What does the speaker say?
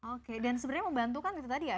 oke dan sebenarnya membantu kan itu tadi ya